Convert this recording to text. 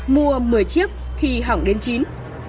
mua một mươi chiếc thì hỏng đến chín